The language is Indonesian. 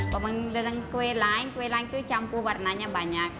pembeli kue lain kue lain itu campur warnanya banyak